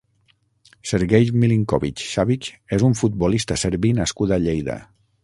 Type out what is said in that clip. Sergej Milinković-Savić és un futbolista serbi nascut a Lleida.